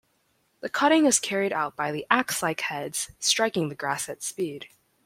The cutting is carried out by the ax-like heads striking the grass at speed.